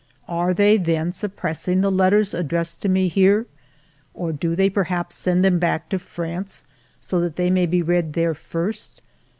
Are they, then, suppressing the letters addressed to me here ? Or do they perhaps send them back to France, so that they may be read there first